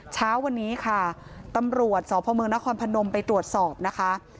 เช้าวันนี้ค่ะตำรวจสพเมืองนครพนมไปตรวจสอบนะคะ